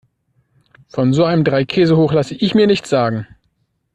Von so einem Dreikäsehoch lasse ich mir nichts sagen.